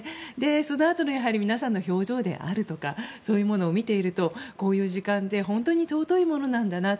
そのあと皆さんの表情であるとかそういうものを見ているとこういう時間って本当に尊いものなんだなと。